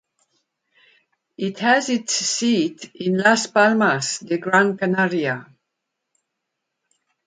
It has its seat in Las Palmas de Gran Canaria.